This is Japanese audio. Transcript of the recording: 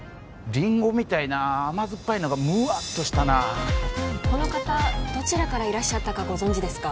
リンゴみたいな甘酸っぱいのがムワッとしたなこの方どちらからいらっしゃったかご存じですか？